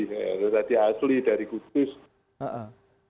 berarti asli dari kutus